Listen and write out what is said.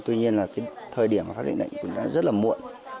tuy nhiên là thời điểm phát hiện bệnh cũng đã rất là muộn